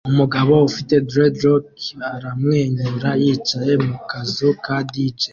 Umugabo ufite dreadlock aramwenyura yicaye mu kazu ka dj